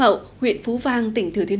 ở những nơi khác trên thế giới